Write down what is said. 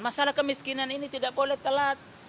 masalah kemiskinan ini tidak boleh telat